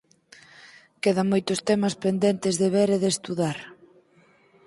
Quedan moitos temas pendentes de ver e de estudar